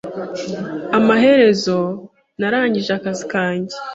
Amaherezo, narangije akazi kanjye.